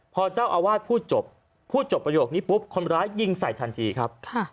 พอเจ้าอาวาสพูดจบพูดจบประโยคนี้ปุ๊บคนร้ายยิงใส่ทันทีครับ